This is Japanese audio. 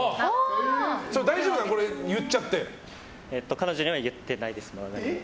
彼女には言ってないです。